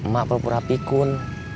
mak pura pura pikun